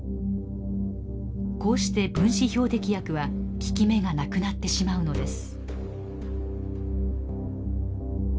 こうして分子標的薬は効き目がなくなってしまうのです。